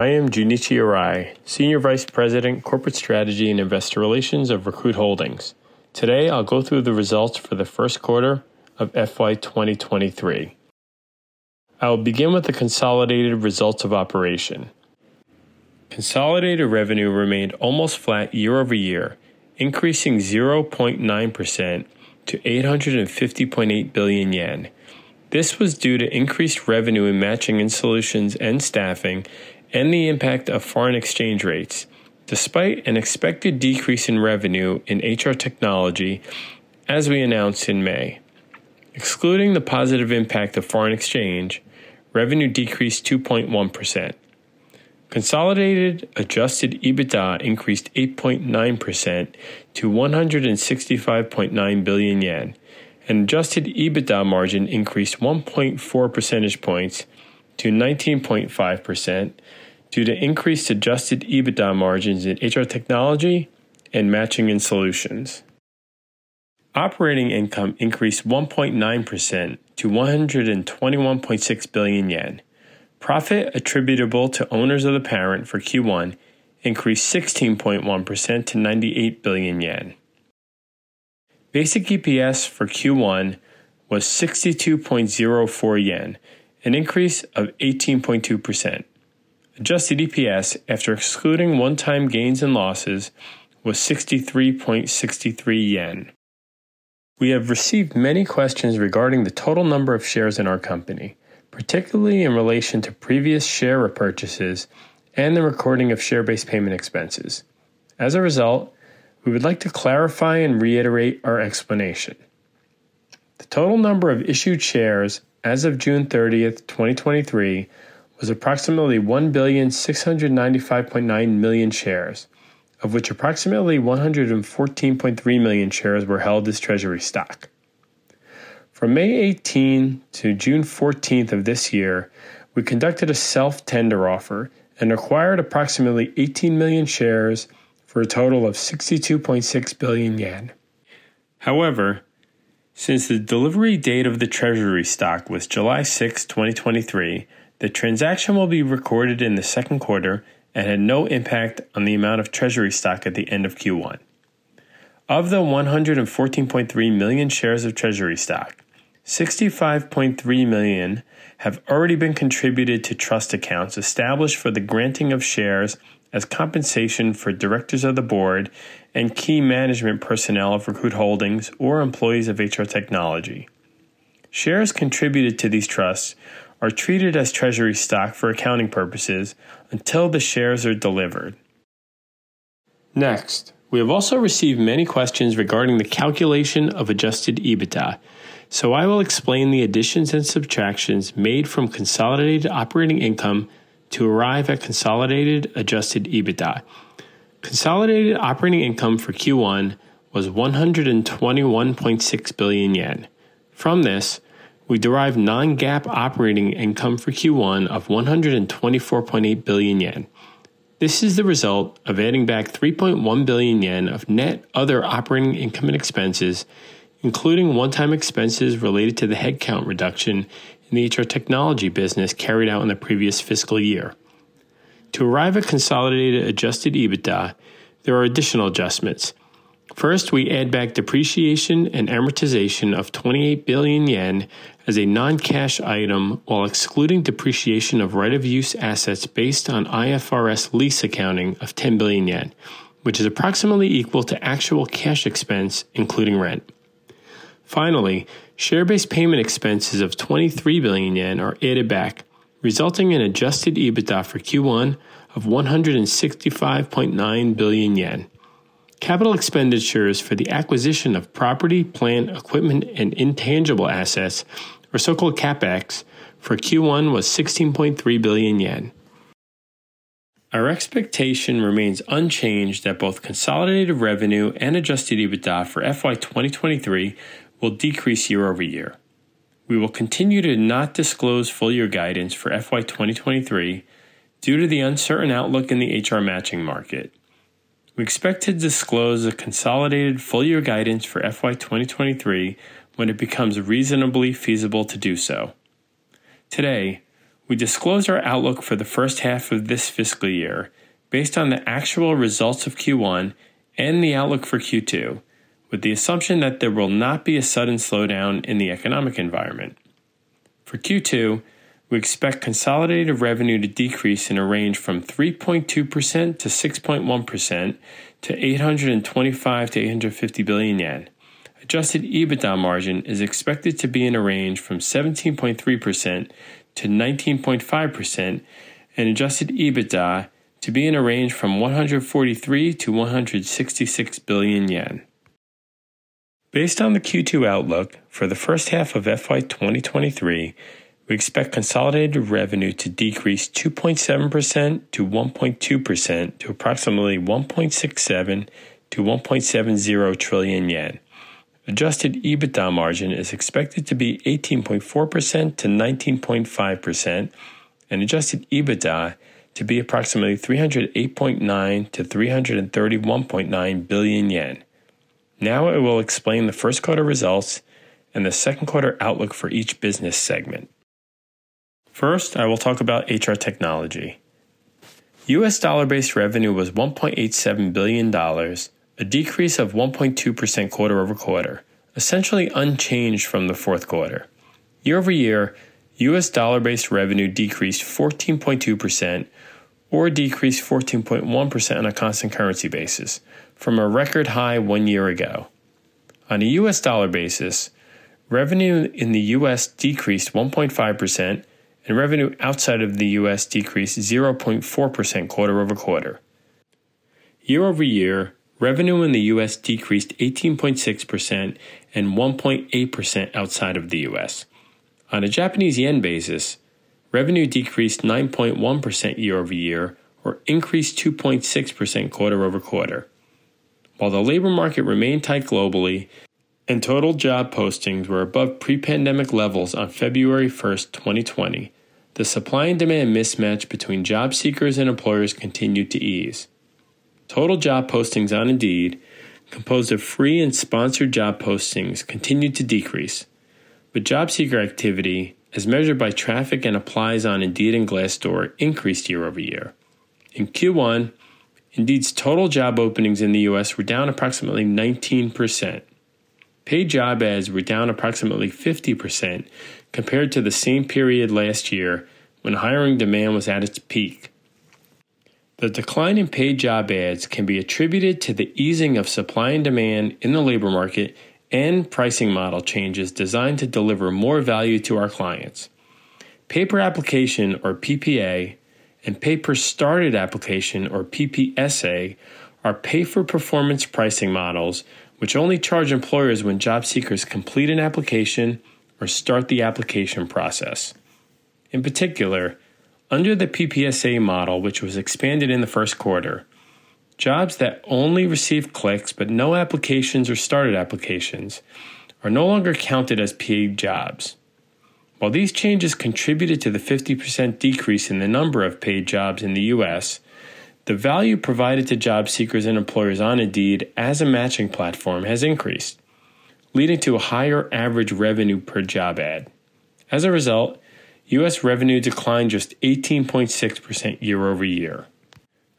I am Junichi Arai, Senior Vice President, Corporate Strategy and Investor Relations of Recruit Holdings. Today, I'll go through the results for the first quarter of FY2023. I will begin with the consolidated results of operation. Consolidated revenue remained almost flat year-over-year, increasing 0.9% to 850.8 billion yen. This was due to increased revenue in Matching & Solutions and Staffing and the impact of foreign exchange rates, despite an expected decrease in revenue in HR Technology, as we announced in May. Excluding the positive impact of foreign exchange, revenue decreased 2.1%. Consolidated Adjusted EBITDA increased 8.9% to 165.9 billion yen, and Adjusted EBITDA margin increased 1.4 percentage points to 19.5% due to increased Adjusted EBITDA margins in HR Technology and Matching & Solutions. Operating income increased 1.9% to 121.6 billion yen. Profit attributable to owners of the parent for Q1 increased 16.1% to 98 billion yen. Basic EPS for Q1 was 62.04 yen, an increase of 18.2%. Adjusted EPS after excluding one-time gains and losses was 63.63 yen. We have received many questions regarding the total number of shares in our company, particularly in relation to previous share repurchases and the recording of share-based payment expenses. As a result, we would like to clarify and reiterate our explanation. The total number of issued shares as of June 30th, 2023, was approximately 1,695.9 million shares, of which approximately 114.3 million shares were held as treasury stock. From May 18th to June 14th of this year, we conducted a self-tender offer and acquired approximately 18 million shares for a total of 62.6 billion yen. Since the delivery date of the treasury stock was July 6th, 2023, the transaction will be recorded in the second quarter and had no impact on the amount of treasury stock at the end of Q1. Of the 114.3 million shares of treasury stock, 65.3 million have already been contributed to trust accounts established for the granting of shares as compensation for directors of the board and key management personnel of Recruit Holdings or employees of HR Technology. Shares contributed to these trusts are treated as treasury stock for accounting purposes until the shares are delivered. We have also received many questions regarding the calculation of Adjusted EBITDA. I will explain the additions and subtractions made from consolidated operating income to arrive at consolidated Adjusted EBITDA. Consolidated operating income for Q1 was 121.6 billion yen. From this, we derive non-GAAP operating income for Q1 of 124.8 billion yen. This is the result of adding back 3.1 billion yen of net other operating income and expenses, including one-time expenses related to the headcount reduction in the HR Technology business carried out in the previous fiscal year. To arrive at consolidated Adjusted EBITDA, there are additional adjustments. First, we add back depreciation and amortization of 28 billion yen as a non-cash item, while excluding depreciation of right-of-use assets based on IFRS lease accounting of 10 billion yen, which is approximately equal to actual cash expense, including rent. Finally, share-based payment expenses of 23 billion yen are added back, resulting in Adjusted EBITDA for Q1 of 165.9 billion yen. Capital expenditures for the acquisition of property, plant, equipment, and intangible assets, or so-called CapEx, for Q1 was 16.3 billion yen. Our expectation remains unchanged that both consolidated revenue and Adjusted EBITDA for FY2023 will decrease year-over-year. We will continue to not disclose full year guidance for FY2023 due to the uncertain outlook in the HR matching market. We expect to disclose a consolidated full-year guidance for FY2023 when it becomes reasonably feasible to do so. Today, we disclose our outlook for the first half of this fiscal year based on the actual results of Q1 and the outlook for Q2, with the assumption that there will not be a sudden slowdown in the economic environment. For Q2, we expect consolidated revenue to decrease in a range from 3.2%-6.1% to 825 billion-850 billion yen. Adjusted EBITDA margin is expected to be in a range from 17.3%-19.5%, and Adjusted EBITDA to be in a range from 143 billion-166 billion yen. Based on the Q2 outlook, for the first half of FY2023, we expect consolidated revenue to decrease 2.7%-1.2% to approximately 1.67 trillion-1.70 trillion yen. Adjusted EBITDA margin is expected to be 18.4%-19.5%, and Adjusted EBITDA to be approximately 308.9 billion-331.9 billion yen. Now, I will explain the first quarter results and the second quarter outlook for each business segment. First, I will talk about HR Technology. U.S. dollar-based revenue was $1.87 billion, a decrease of 1.2% quarter-over-quarter, essentially unchanged from the fourth quarter. Year-over-year, U.S. dollar-based revenue decreased 14.2%, or decreased 14.1% on a constant currency basis, from a record high one year ago. On a U.S. dollar basis, revenue in the U.S. decreased 1.5%, and revenue outside of the U.S. decreased 0.4% quarter-over-quarter. Year-over-year, revenue in the U.S. decreased 18.6% and 1.8% outside of the U.S. On a Japanese yen basis, revenue decreased 9.1% year-over-year, or increased 2.6% quarter-over-quarter. While the labor market remained tight globally, and total job postings were above pre-pandemic levels on February 1st, 2020, the supply and demand mismatch between job seekers and employers continued to ease. Total job postings on Indeed, composed of free and sponsored job postings, continued to decrease, but job seeker activity, as measured by traffic and applies on Indeed and Glassdoor, increased year-over-year. In Q1, Indeed's total job openings in the U.S. were down approximately 19%. Paid job ads were down approximately 50% compared to the same period last year when hiring demand was at its peak. The decline in paid job ads can be attributed to the easing of supply and demand in the labor market and pricing model changes designed to deliver more value to our clients. Pay Per Application, or PPA, and Pay Per Started Application, or PPSA, are pay-for-performance pricing models, which only charge employers when job seekers complete an application or start the application process. In particular, under the PPSA model, which was expanded in the first quarter, jobs that only receive clicks but no applications or started applications, are no longer counted as paid jobs. While these changes contributed to the 50% decrease in the number of paid jobs in the U.S., the value provided to job seekers and employers on Indeed as a matching platform has increased, leading to a higher average revenue per job ad. As a result, U.S. revenue declined just 18.6% year-over-year.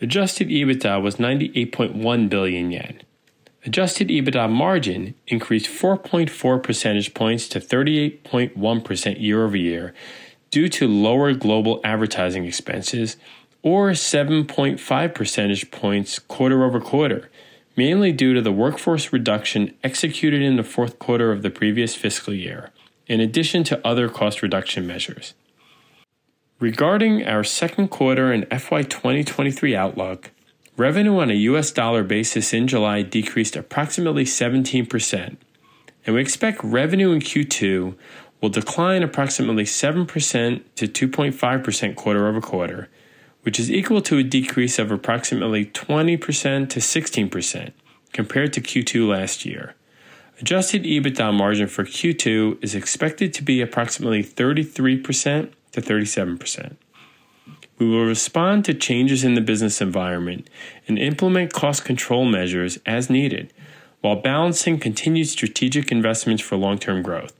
Adjusted EBITDA was 98.1 billion yen. Adjusted EBITDA margin increased 4.4 percentage points to 38.1% year-over-year due to lower global advertising expenses, or 7.5 percentage points quarter-over-quarter, mainly due to the workforce reduction executed in the fourth quarter of the previous fiscal year, in addition to other cost reduction measures. Regarding our second quarter and FY2023 outlook, revenue on a US dollar basis in July decreased approximately 17%, and we expect revenue in Q2 will decline approximately 7%-2.5% quarter-over-quarter, which is equal to a decrease of approximately 20%-16% compared to Q2 last year. Adjusted EBITDA margin for Q2 is expected to be approximately 33%-37%. We will respond to changes in the business environment and implement cost control measures as needed, while balancing continued strategic investments for long-term growth.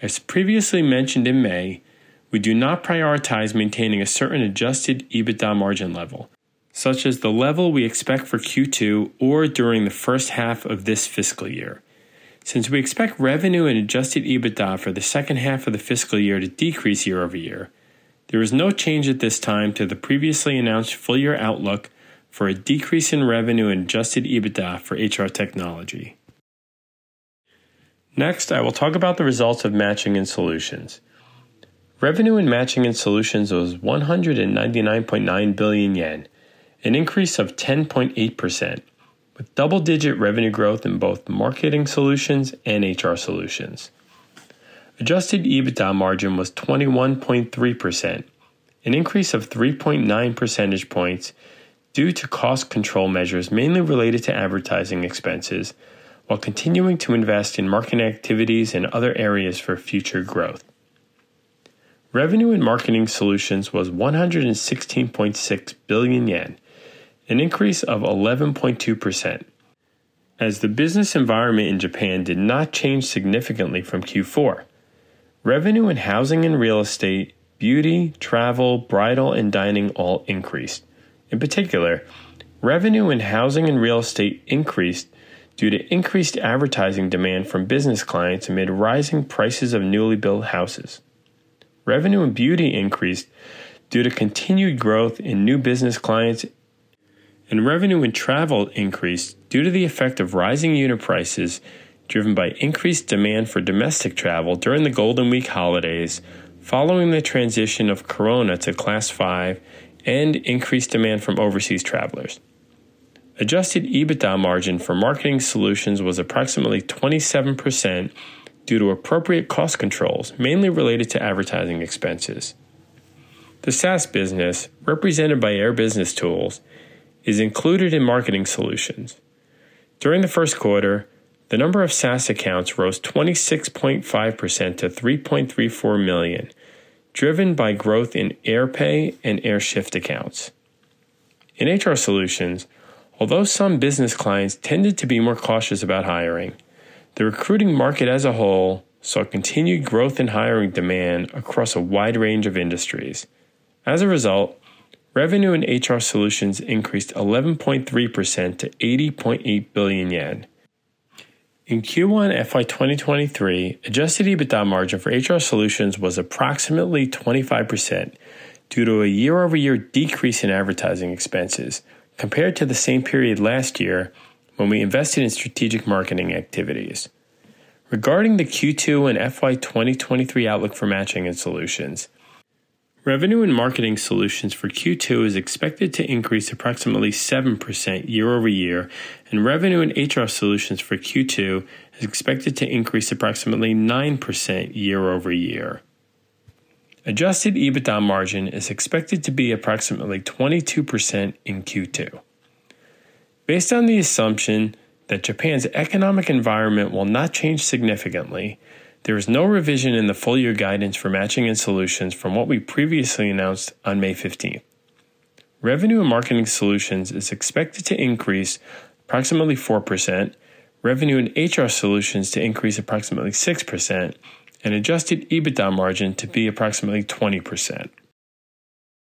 As previously mentioned in May, we do not prioritize maintaining a certain Adjusted EBITDA margin level, such as the level we expect for Q2 or during the first half of this fiscal year. Since we expect revenue and Adjusted EBITDA for the second half of the fiscal year to decrease year-over-year, there is no change at this time to the previously announced full year outlook for a decrease in revenue and Adjusted EBITDA for HR Technology. Next, I will talk about the results of Matching & Solutions. Revenue in Matching & Solutions was 199.9 billion yen, an increase of 10.8%, with double-digit revenue growth in both Marketing Solutions and HR Solutions. Adjusted EBITDA margin was 21.3%, an increase of 3.9 percentage points due to cost control measures mainly related to advertising expenses, while continuing to invest in marketing activities and other areas for future growth. Revenue in Marketing Solutions was 116.6 billion yen, an increase of 11.2%. As the business environment in Japan did not change significantly from Q4, revenue in housing and real estate, beauty, travel, bridal, and dining all increased. In particular, revenue in housing and real estate increased due to increased advertising demand from business clients amid rising prices of newly built houses. Revenue in beauty increased due to continued growth in new business clients, and revenue in travel increased due to the effect of rising unit prices, driven by increased demand for domestic travel during the Golden Week holidays, following the transition of COVID-19 to Class 5 and increased demand from overseas travelers. Adjusted EBITDA margin for Marketing Solutions was approximately 27% due to appropriate cost controls, mainly related to advertising expenses. The SaaS business, represented by Air BusinessTools, is included in Marketing Solutions. During the first quarter, the number of SaaS accounts rose 26.5% to 3.34 million, driven by growth in AirPAY and AirSHIFT accounts. In HR Solutions, although some business clients tended to be more cautious about hiring, the recruiting market as a whole saw continued growth in hiring demand across a wide range of industries. As a result, revenue in HR Solutions increased 11.3% to 80.8 billion yen. In Q1 FY2023, Adjusted EBITDA margin for HR Solutions was approximately 25% due to a year-over-year decrease in advertising expenses compared to the same period last year when we invested in strategic marketing activities. Regarding the Q2 and FY2023 outlook for Matching & Solutions, revenue and Marketing Solutions for Q2 is expected to increase approximately 7% year-over-year, and revenue in HR Solutions for Q2 is expected to increase approximately 9% year-over-year. Adjusted EBITDA margin is expected to be approximately 22% in Q2. Based on the assumption that Japan's economic environment will not change significantly, there is no revision in the full year guidance for Matching & Solutions from what we previously announced on May 15th. Revenue in Marketing Solutions is expected to increase approximately 4%, revenue in HR Solutions to increase approximately 6%, and Adjusted EBITDA margin to be approximately 20%.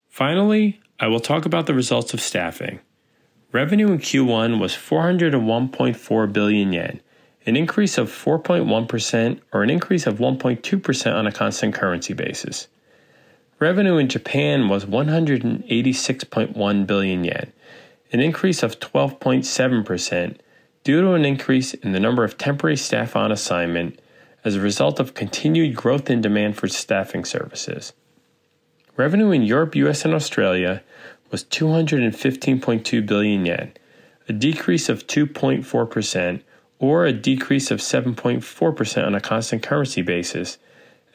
Finally, I will talk about the results of Staffing. Revenue in Q1 was 401.4 billion yen, an increase of 4.1% or an increase of 1.2% on a constant currency basis. Revenue in Japan was 186.1 billion yen, an increase of 12.7% due to an increase in the number of temporary staff on assignment as a result of continued growth in demand for staffing services. Revenue in Europe, U.S., and Australia was 215.2 billion yen, a decrease of 2.4% or a decrease of 7.4% on a constant currency basis,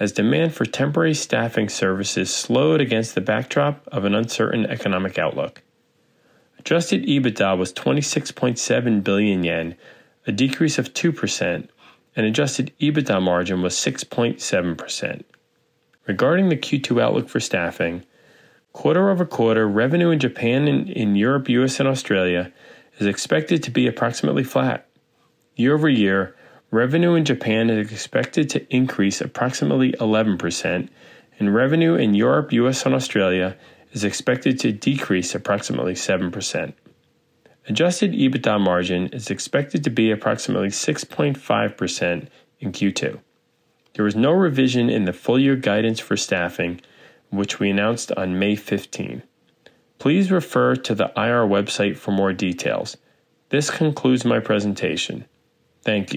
as demand for temporary staffing services slowed against the backdrop of an uncertain economic outlook. Adjusted EBITDA was 26.7 billion yen, a decrease of 2%, and Adjusted EBITDA margin was 6.7%. Regarding the Q2 outlook for Staffing, quarter-over-quarter revenue in Japan and in Europe, US, and Australia is expected to be approximately flat. Year-over-year, revenue in Japan is expected to increase approximately 11%, and revenue in Europe, U.S., and Australia is expected to decrease approximately 7%. Adjusted EBITDA margin is expected to be approximately 6.5% in Q2. There is no revision in the full year guidance for Staffing, which we announced on May 15th. Please refer to the IR website for more details. This concludes my presentation. Thank you.